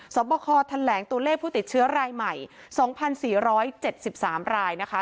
สอบประคอแถลงตัวเลขผู้ติดเชื้อรายใหม่๒๔๗๓รายนะคะ